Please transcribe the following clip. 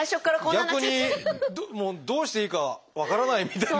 逆にどうしていいか分からないみたいな。